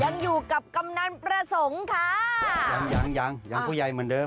ยังอยู่กับกำนันประสงค์ค่ะยังยังยังผู้ใหญ่เหมือนเดิม